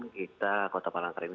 kita kota palangkaraya ini